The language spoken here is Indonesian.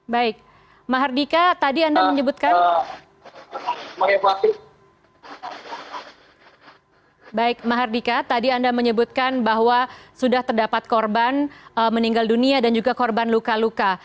baik mahardika tadi anda menyebutkan bahwa sudah terdapat korban meninggal dunia dan juga korban luka luka